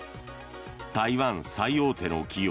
台湾最大手の企業